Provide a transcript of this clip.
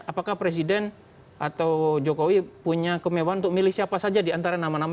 apakah presiden atau jokowi punya kemewahan untuk milih siapa saja diantara nama nama